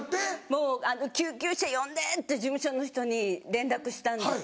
もう「救急車呼んで」って事務所の人に連絡したんですよ。